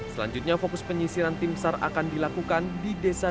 selanjutnya fokus penyisiran tim sar akan dilakukan di desa